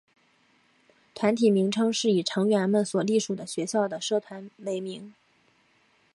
团体名称是以成员们所隶属的学校的社团为名。